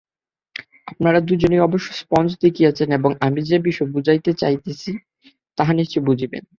আপনারা দুইজনেই অবশ্য স্পঞ্জ দেখিয়াছেন এবং আমি যে-বিষয় বুঝাইতে যাইতেছি, তাহা নিশ্চয়ই বুঝিবেন।